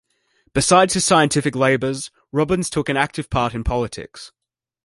Besides his scientific labours, Robins took an active part in politics.